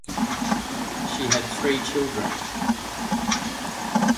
She had three children.